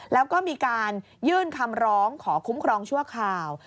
แล้วก็มีการยื่นคำร้องขอคุ้มครองชั่วคราว